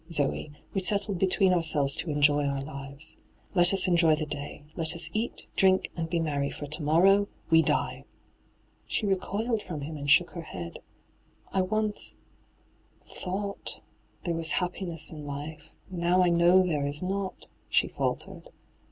Zoe, we settled between ourselves to enjoy our Uvea Let us enjoy the day —" let US eat, drink, and be merry, for to morrow — we die !"' 12 D,gt,, 6!ibyGOOglC 178 ENTRAPPED She recoiled from him and shook her head. ' I once — ^thought — there was happiness in life : now I know there is not,* she faltered.